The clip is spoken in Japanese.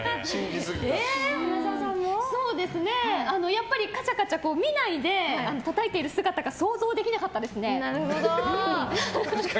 やっぱり、かちゃかちゃ見ないでたたいている姿が想像できなかったですね。